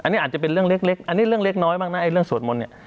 อันนี้อาจจะเป็นเรื่องเล็กอันนี้เรื่องเล็กน้อยบ้างนะไอ้เรื่องสวดมนต์เนี่ย